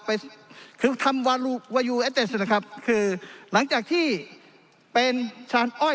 ไปคือทำวาลูวายูเอเตสนะครับคือหลังจากที่เป็นชานอ้อย